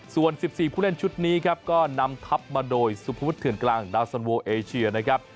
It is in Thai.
ส่วน๑๔ผู้เล่นชุดนี้ครับก็นำทับมาโดยสุภวุฒเถื่อนกลางดาวสันโวเอเชียนะครับ